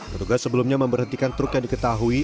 petugas sebelumnya memberhentikan truk yang diketahui